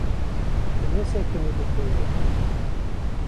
Tu nesekinî bi dorê.